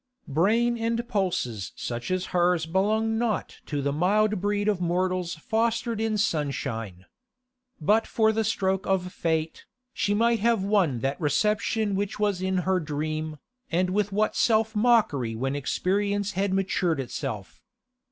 Brain and pulses such as hers belong not to the mild breed of mortals fostered in sunshine. But for the stroke of fate, she might have won that reception which was in her dream, and with what self mockery when experience had matured itself!